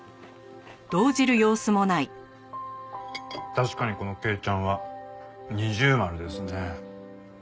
確かにこのケイチャンは二重丸ですね。